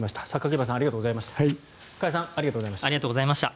榊原さん、加谷さんありがとうございました。